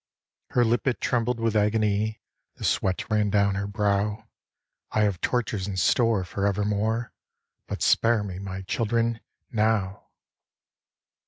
Her lip it trembled with agony, The sweat ran down her brow, 'I have tortures in store for evermore, But spare me, my children, now!'